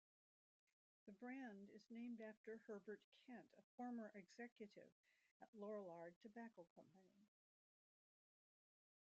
The brand is named after Herbert Kent, a former executive at Lorillard Tobacco Company.